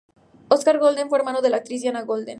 Óscar Golden fue hermano de la actriz Diana Golden.